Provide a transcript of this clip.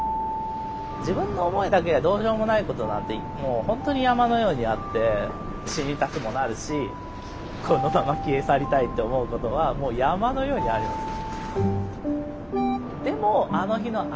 自分の思いだけじゃどうしようもないことなんてもう本当に山のようにあって死にたくもなるしこのまま消え去りたいって思うことはもう山のようにあります。